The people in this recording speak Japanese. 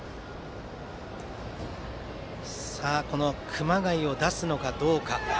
熊谷を出すのかどうか。